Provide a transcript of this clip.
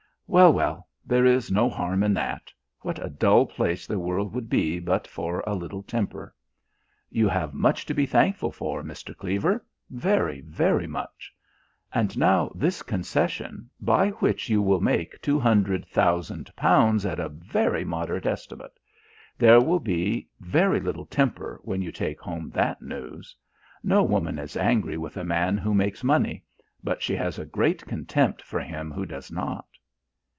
Well, well, there is no harm in that. What a dull place the world would be but for a little temper! You have much to be thankful for, Mr. Cleaver very, very much. And now this concession, by which you will make two hundred thousand pounds at a very moderate estimate. There will be very little temper when you take home that news. No woman is angry with a man who makes money, but she has a great contempt for him who does not."